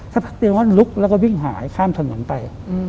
สักพักเดียวก็ลุกแล้วก็วิ่งหายข้ามถนนไป